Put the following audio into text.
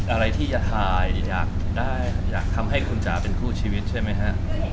อะไรที่อยากถ่ายอยากทำให้คุณจ๋าเป็นคู่ชีวิตใช่มั้ยฮะ